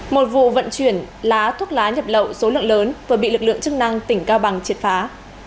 một vụ vận chuyển lá thuốc lá nhập lậu số lượng lớn vừa bị lực lượng chức năng tỉnh cao bằng triệt phá